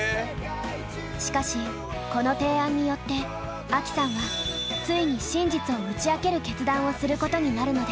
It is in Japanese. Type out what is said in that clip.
しかしこの提案によってアキさんはついに真実を打ち明ける決断をすることになるのです。